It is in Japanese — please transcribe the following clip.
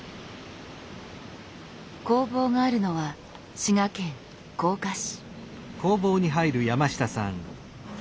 工房があるのは滋賀県甲賀市。